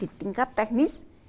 di tingkat tim teknis